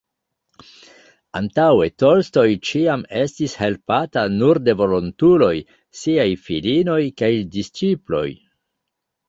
Antaŭe Tolstoj ĉiam estis helpata nur de volontuloj, siaj filinoj kaj «disĉiploj».